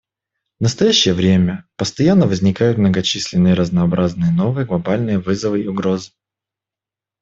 В настоящее время постоянно возникают многочисленные и разнообразные новые глобальные вызовы и угрозы.